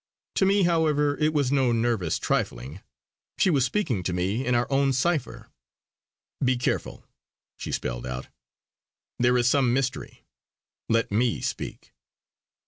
To me, however, it was no nervous trifling; she was speaking to me in our own cipher. "Be careful!" she spelled out "there is some mystery! Let me speak."